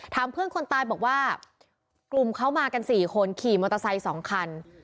เพื่อนคนตายบอกว่ากลุ่มเขามากัน๔คนขี่มอเตอร์ไซค์๒คัน